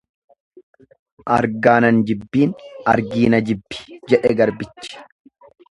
Argaa nan jibbiin argii na jibbi jedhe garbichi.